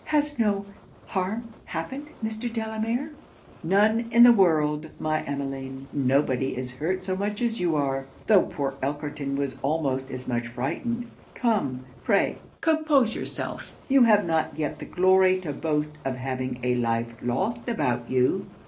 'Has no harm happened, Mr. Delamere?' 'None in the world, my Emmeline. Nobody is hurt so much as you are; tho' poor Elkerton was almost as much frightened. Come, pray compose yourself you have not yet the glory to boast of having a life lost about you.'